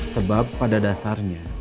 sebab pada dasarnya